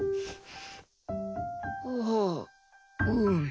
はあうん。